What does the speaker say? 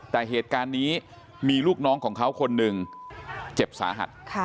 แต่เหตุการณ์นี้มีลูกน้องของเขาคนหนึ่งเจ็บสาหัส